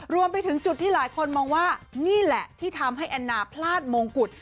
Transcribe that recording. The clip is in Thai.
รวมไปถึงจุดที่หลายคนมองว่านี่แหละที่ทำให้แอนนาพลาดมงกุฎ